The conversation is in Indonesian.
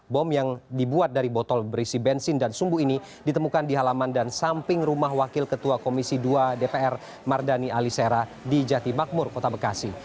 bom yang dibuat dari botol berisi bensin dan sumbu ini ditemukan di halaman dan samping rumah wakil ketua komisi dua dpr mardani alisera di jati makmur kota bekasi